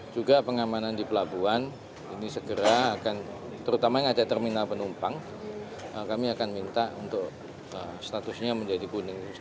juga pengamanan di pelabuhan ini segera akan terutama yang ada terminal penumpang kami akan minta untuk statusnya menjadi kuning